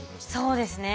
そうですね